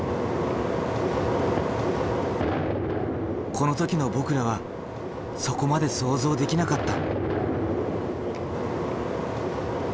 この時の僕らはそこまで想像できなかった。